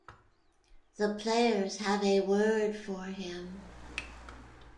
The players have a word for him.